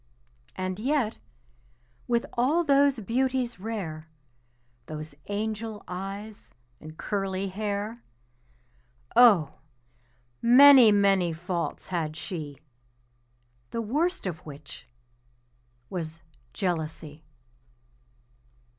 And yet, with all those beauties rare, Those angel eyes and curly hair, Oh! many, many faults had she, The worst of which was jealousy.